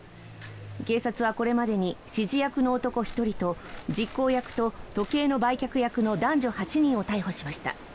警察はこれまでに指示役の男１人と、実行役と時計の売却役の男女８人を逮捕しました。